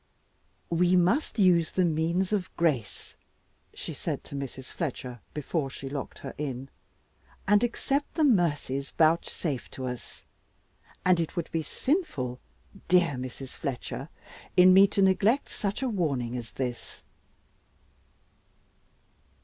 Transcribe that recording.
"We must use the means of grace," she said to Mrs. Fletcher, before she locked her in, "and accept the mercies vouchsafed to us. And it would be sinful, dear Mrs. Fletcher, in me to neglect such a warning as this."